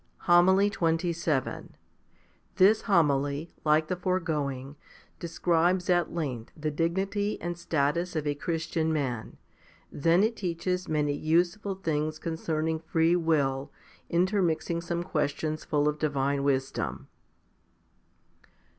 HOMILY XXVII This Homily, like the foregoing, describes at length the dignity and status of a Christian man. Then it teaches many useful things concerning free will, intermixing some questions full of divine wisdom.